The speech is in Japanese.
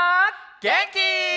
げんき？